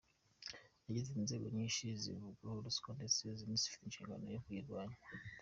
Yagize ati “inzego nyinshi zivugwamo ruswa ndetse n’izifite inshingano yo kuyirwanya.